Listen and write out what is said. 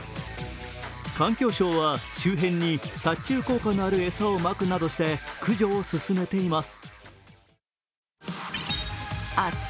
環境省は周辺に殺虫効果のある餌をまくなどして駆除を進めています。